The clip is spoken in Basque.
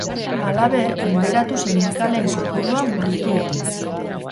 Halaber, liberatu sindikalen kopurua murriztu dute.